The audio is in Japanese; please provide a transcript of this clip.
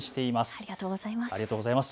ありがとうございます。